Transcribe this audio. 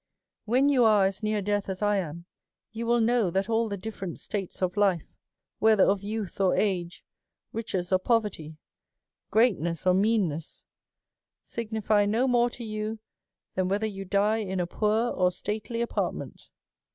*' When you are as near death as I am, you will know that ail the different states of life, whether of youth or age, riches or poverty, greatness or mean ness, signify no more to you than whether you die in a poor or stately apartment.